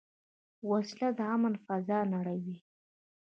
وسله د امن فضا نړوي